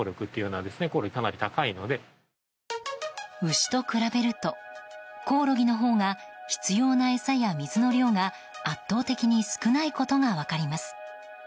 牛と比べるとコオロギのほうが必要な餌や水の量が、圧倒的に少ないことが分かります。